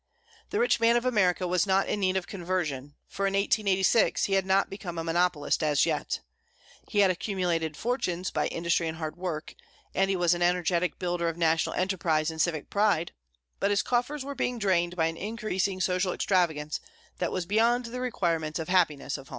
The rich man of America was not in need of conversion, for, in 1886, he had not become a monopolist as yet. He had accumulated fortunes by industry and hard work, and he was an energetic builder of national enterprise and civic pride, but his coffers were being drained by an increasing social extravagance that was beyond the requirements of happiness of home.